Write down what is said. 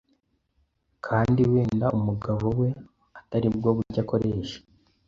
kandi wenda umugabo we ataribwo buryo akoresha